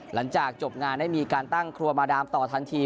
หลังจากจบงานได้มีการตั้งครัวมาดามต่อทันที